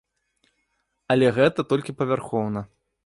Але гэта толькі павярхоўна.